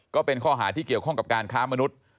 ก็เป็นข้อหาที่เกี่ยวข้องกับการค้ามนุษย์